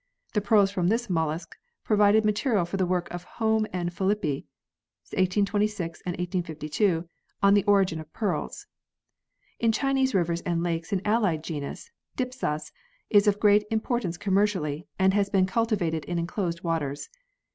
The pearls from this mollusc provided material for the work of Home and Filippi (1826 and 1852), on the origin of pearls. In Chinese rivers and lakes an allied genus Dipsas, is of great importance commercially, and has been cultivated in enclosed waters.